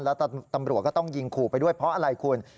แล้วตำรวจก็ต้องยิงขู่ไปด้วยเพราะอะไรคุณ